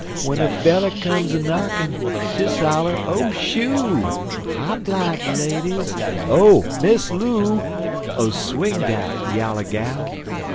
W'en a feller comes a knockin' Des holler Oh, shoo! Hop light, ladies, Oh, Miss Loo! Oh, swing dat yaller gal!